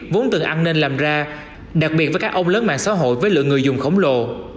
vốn từng ăn nên làm ra đặc biệt với các ông lớn mạng xã hội với lượng người dùng khổng lồ